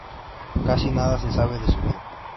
Casi nada se sabe de su vida.